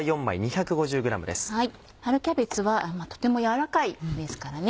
春キャベツはとても柔らかいですからね。